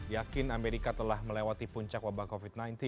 yakin amerika telah melewati puncak wabah covid sembilan belas